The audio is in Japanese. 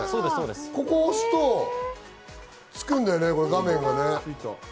ここを押すとつくんだよね、画面が。